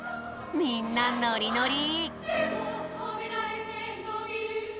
みんなノリノリ！